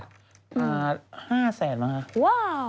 อ่า๕แสนบ้างค่ะ